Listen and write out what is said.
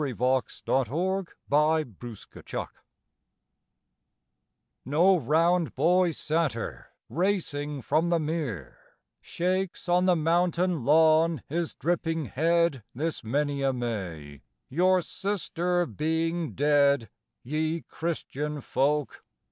Heathenesse NO round boy satyr, racing from the mere, Shakes on the mountain lawn his dripping head This many a May, your sister being dead, Ye Christian folk!